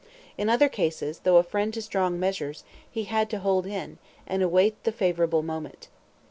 In other cases, though a friend to strong measures, he had to hold in, and await the favorable moment.